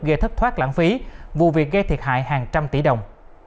gây thất thoát lãng phí vụ việc gây thiệt hại hàng trăm tỷ đồng